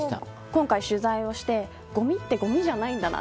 今回、取材をしてごみはごみじゃないんだな。